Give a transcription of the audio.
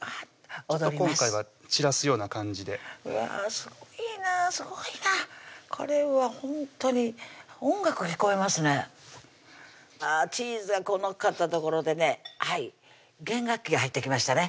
今回は散らすような感じでうわっすごいなこれはほんとに音楽聞こえますねあっチーズがこう載っかったところでね弦楽器が入ってきましたね